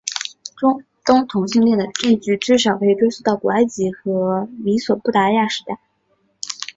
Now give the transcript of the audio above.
中东同性恋的证据至少可以追溯到古埃及和美索不达米亚时代。